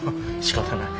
しかたない。